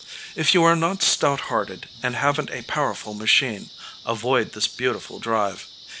If you are not stout hearted, and haven't a powerful machine, avoid this beautiful drive.